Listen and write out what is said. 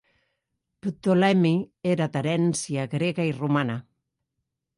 Ptolemy era d'herència grega i romana.